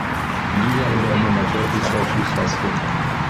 Liga oder im Amateurfußball Fuß fasste.